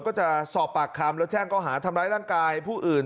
ก็จะสอบปากคำแล้วแจ้งก็หาทำร้ายร่างกายผู้อื่น